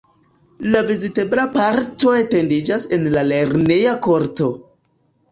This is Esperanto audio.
La vizitebla parto etendiĝas en la lerneja korto.